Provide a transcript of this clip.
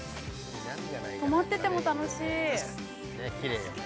止まってても、楽しい。